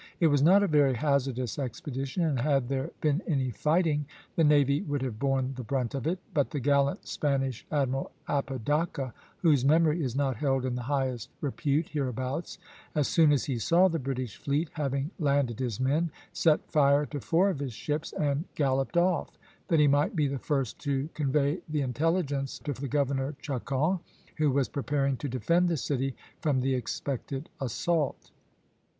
"It was not a very hazardous expedition, and had there been any fighting the navy would have borne the brunt of it; but the gallant Spanish Admiral Apodaca, whose memory is not held in the highest repute hereabouts, as soon as he saw the British fleet, having landed his men, set fire to four of his ships, and galloped off, that he might be the first to convey the intelligence to the Governor Chacon, who was preparing to defend the city from the expected assault.